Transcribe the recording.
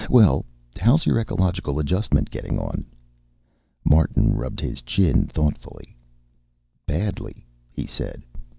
Well, how's your ecological adjustment getting on?" Martin rubbed his chin thoughtfully. "Badly," he said.